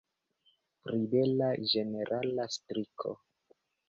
Ribela ĝenerala striko.